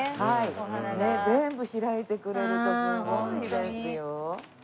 全部開いてくれるとすごいですよ。